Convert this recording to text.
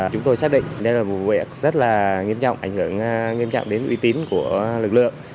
chúng tôi xác định đây là vụ việc rất là nghiêm trọng ảnh hưởng nghiêm trọng đến uy tín của lực lượng